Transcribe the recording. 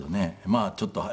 まあちょっと。